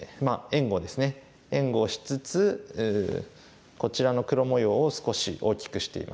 援護をしつつこちらの黒模様を少し大きくしています。